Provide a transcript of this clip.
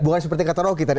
bukan seperti kata rocky tadi